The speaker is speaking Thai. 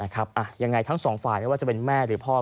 ทั้งสองฝ่ายว่าจะเป็นแม่หรือพ่อ